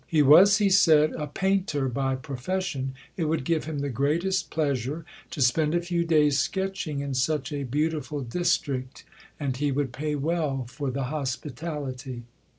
He was, he said, a painter by profession; it would give him the greatest pleasure to spend a few days sketching in such a beautiful district; and he would pay well for the hospitality.